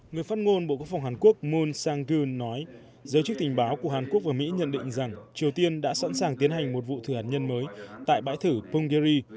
người phát ngôn bộ quốc phòng hàn quốc moon sang gun nói giới chức tình báo của hàn quốc và mỹ nhận định rằng triều tiên đã sẵn sàng tiến hành một vụ thử hạt nhân mới tại bãi thử punggiri